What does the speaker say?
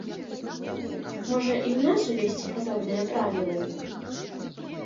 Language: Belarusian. Можа, і ў нас увесці падобныя правілы?